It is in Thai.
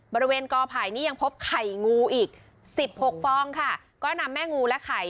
บริเวณกอไผ่นี่ยังพบไข่งูอีกสิบหกฟองค่ะก็นำแม่งูและไข่